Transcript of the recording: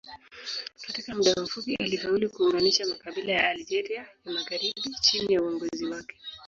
Katika muda mfupi alifaulu kuunganisha makabila ya Algeria ya magharibi chini ya uongozi wake.